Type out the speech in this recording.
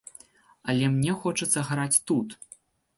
Але мне хочацца граць тут.